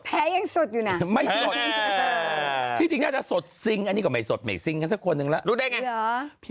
ตัวแต่ยังสะอยู่แม่คิดง่าจะสดซิงอันนี้ก็ไม่สดไม่สิงกันสักคนกันแหละรู้ได้